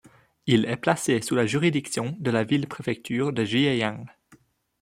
Il est placé sous la juridiction de la ville-préfecture de Jieyang.